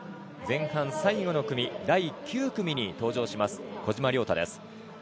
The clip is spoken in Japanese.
前半最後の組第９組に登場します小島良太です。